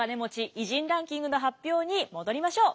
偉人ランキングの発表に戻りましょう。